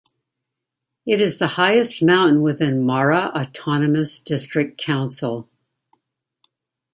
It is the highest mountain within Mara Autonomous District Council.